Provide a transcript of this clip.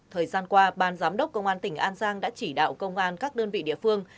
thời gian qua ban giám đốc công an tỉnh an giang đã chỉ đạo công an các đơn vị địa phương